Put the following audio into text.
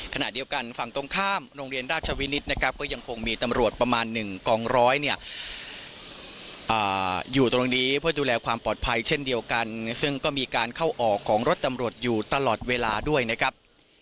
ขณะเดียวกันฝั่งตรงข้ามโรงเรียนราชวินิตนะครับก็ยังคงมีตำรวจประมาณ๑กองร้อยเนี่ยอยู่ตรงนี้เพื่อดูแลความปลอดภัยเช่นเดียวกันซึ่งก็มีการเข้าออกของรถตำรวจอยู่ตลอดเวลาด้วยนะครับ